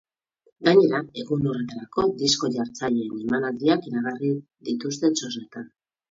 Gainera, egun horretarako disko-jartzaileen emanaldiak iragarri dituzte txosnetan.